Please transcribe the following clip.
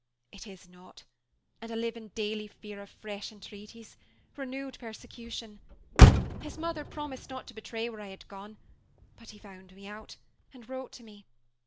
It is not, and I live in daily fear of fresh entreaties, renewed persecution. His mother promised not to betray where I had gone, but he found me out and wrote to me.